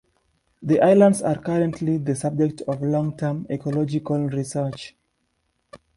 The islands are currently the subject of long term ecological research.